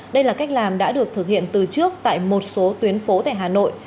đây là cách làm đã được thực hiện từ trước tại một số tuyến phố tại hà nội